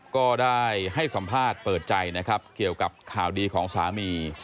ก็ได้ให้สัมภาษณ์เปิดใจนะครับเกี่ยวกับข่าวดีของสามี